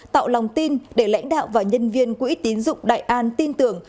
tạo lòng tin để lãnh đạo và nhân viên quỹ tín dụng đại an tin tưởng